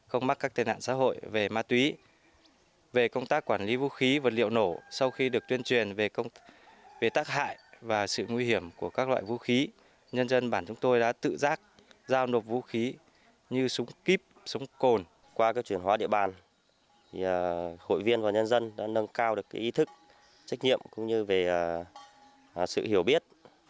hội viên và nhân dân đã nâng cao được ý thức trách nhiệm cũng như về sự hiểu biết